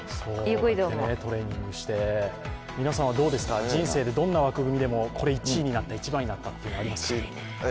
皆さんはどうですか、人生でどんな枠組みでもこれ１位になった、１番になったというのはありますか？